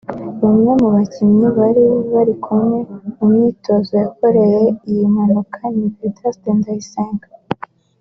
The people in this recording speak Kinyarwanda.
Bamwe mu akinnyi bari bari kumwe mu myitozo yakoreyemo iyi mpanuka ni Valens Ndayisenga